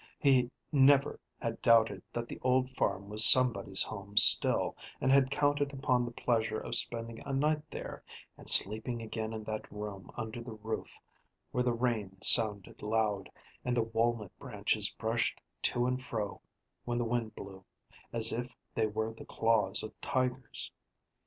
He never had doubted that the old farm was somebody's home still, and had counted upon the pleasure of spending a night there, and sleeping again in that room under the roof, where the rain sounded loud, and the walnut branches brushed to and fro when the wind blew, as if they were the claws of tigers.